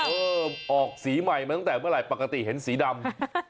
เออออกสีใหม่มาตั้งแต่เมื่อไหร่ปกติเห็นสีดำ